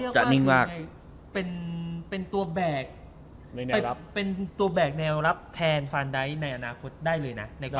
จะเรียกว่าเป็นตัวแบกเป็นตัวแบกแนวรับแทนฟานไดท์ในอนาคตได้เลยนะ